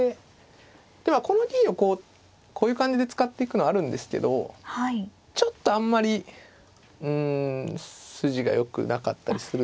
例えばこの銀をこうこういう感じで使っていくのあるんですけどちょっとあんまりうん筋がよくなかったりするので。